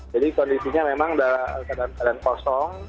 jadi kondisinya memang sedang kosong